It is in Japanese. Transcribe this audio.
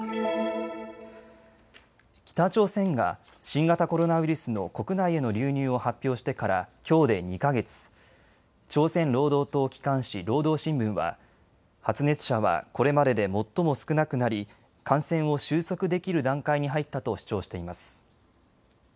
北朝鮮が新型コロナウイルスの国内への流入を発表してからきょうで２か月、朝鮮労働党機関紙、労働新聞は発熱者はこれまでで最も少なくなり感染を収束できる段階に入ったと主張しています。